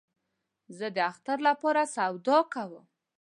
زه د اختر له پاره سودا کوم